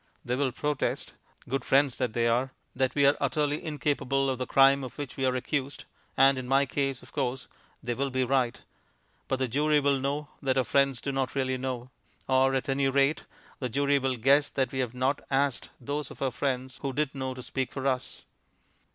They will protest, good friends that they are, that we are utterly incapable of the crime of which we are accused (and in my case, of course, they will be right), but the jury will know that our friends do not really know; or at any rate the jury will guess that we have not asked those of our friends who did know to speak for us.